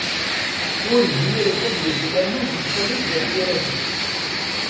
Ur zmirent ad gent laman deg Farid n At Yiraten.